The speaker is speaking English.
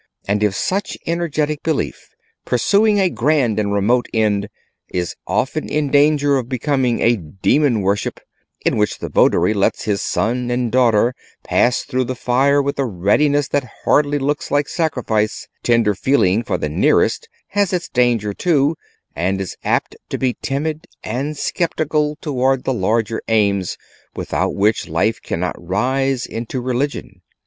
And if such energetic belief, pursuing a grand and remote end, is often in danger of becoming a demon worship, in which the votary lets his son and daughter pass through the fire with a readiness that hardly looks like sacrifice; tender fellow feeling for the nearest has its danger too, and is apt to be timid and sceptical towards the larger aims without which life cannot rise into religion.